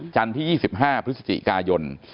ที่๒๕พฤศจิกายน